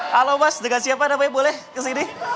halo mas dengan siapa namanya boleh kesini